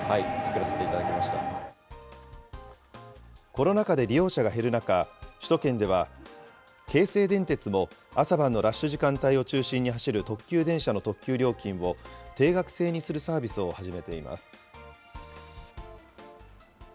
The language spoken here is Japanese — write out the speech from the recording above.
コロナ禍で利用者が減る中、首都圏では、京成電鉄も朝晩のラッシュ時間帯を中心に走る特急電車の特急料金を定額制にするサービスを始めています。